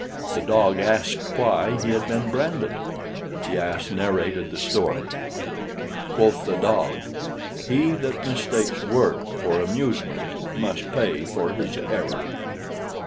The dog asked why he had been branded. The ass narrated the story. Quoth the dog, "He that mistakes work for amusement must pay for his error."